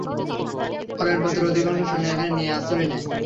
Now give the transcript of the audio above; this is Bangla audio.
পলায়নপর অধিকাংশ সৈন্য এখানে এসে আশ্রয় নেয়।